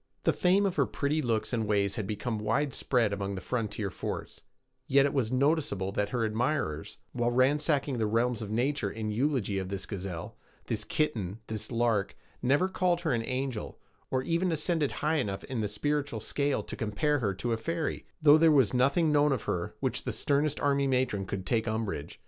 The fame of her pretty looks and ways had become widespread among the frontier forts; yet it was noticeable that her admirers, while ransacking the realms of nature in eulogy of this gazelle, this kitten, this lark, never called her an angel, or even ascended high enough in the spiritual scale to compare her to a fairy, though there was nothing known of her at which the sternest army matron could take umbrage.